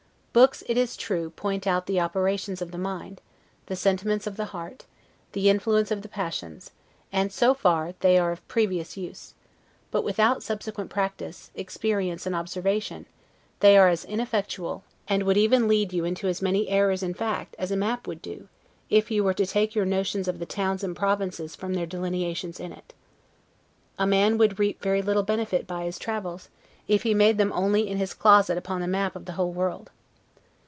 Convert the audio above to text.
Books, it is true, point out the operations of the mind, the sentiments of the heart, the influence of the passions; and so far they are of previous use: but without subsequent practice, experience, and observation, they are as ineffectual, and would even lead you into as many errors in fact, as a map would do, if you were to take your notions of the towns and provinces from their delineations in it. A man would reap very little benefit by his travels, if he made them only in his closet upon a map of the whole world.